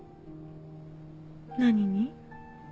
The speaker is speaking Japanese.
何に？